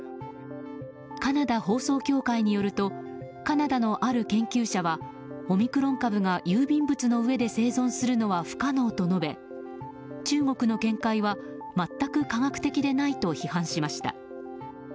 カナダ放送協会によるとカナダのある研究者はオミクロン株が郵便物の上で生存するのは不可能と述べ中国の見解は全く科学的でないと批判しました。